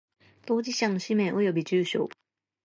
当事者の氏名及び住所